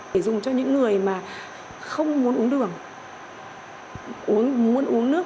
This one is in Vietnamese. để dùng cho những người mà không muốn uống đường muốn uống nước